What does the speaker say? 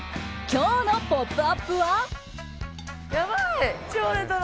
今日の「ポップＵＰ！」は。